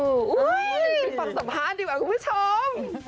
อุ๊ยฝากสัมภาษณ์ดีกว่าคุณผู้ชม